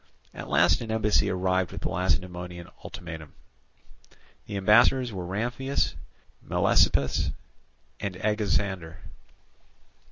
At last an embassy arrived with the Lacedaemonian ultimatum. The ambassadors were Ramphias, Melesippus, and Agesander.